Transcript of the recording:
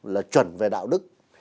là chuẩn về đạo đức